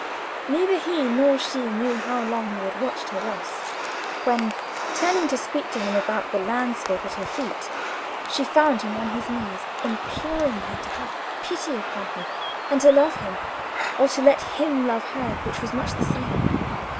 Neither he nor she knew how long he had watched her thus, when, turning to speak to him about the landscape at her feet, she found him on his knees imploring her to have pity upon him, and to love him, or to let him love her, which was much the same.